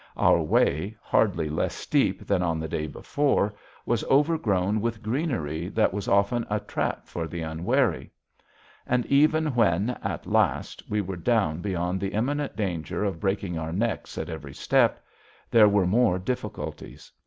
Our way, hardly less steep than on the day before, was overgrown with greenery that was often a trap for the unwary. And even when, at last, we were down beyond the imminent danger of breaking our necks at every step, there were more difficulties.